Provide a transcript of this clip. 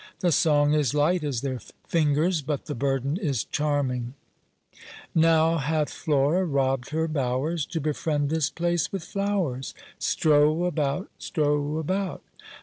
The song is light as their fingers, but the burden is charming: Now hath Flora robb'd her bowers To befriend this place with flowers; Strow about! strow about!